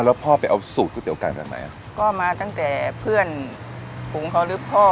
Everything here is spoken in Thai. แล้วพ่อไปเอาสูตรก๋วเตี๋ไก่มาจากไหนอ่ะก็มาตั้งแต่เพื่อนฝูงเขาหรือพ่อ